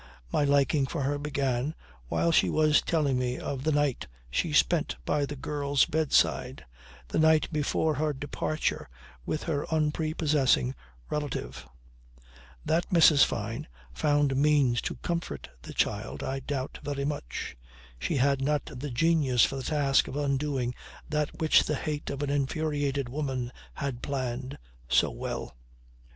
My liking for her began while she was trying to tell me of the night she spent by the girl's bedside, the night before her departure with her unprepossessing relative. That Mrs. Fyne found means to comfort the child I doubt very much. She had not the genius for the task of undoing that which the hate of an infuriated woman had planned so well.